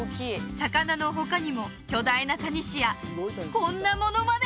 魚の他にも巨大なタニシやこんなものまで！